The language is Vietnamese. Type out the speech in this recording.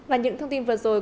và những thông tin vừa rồi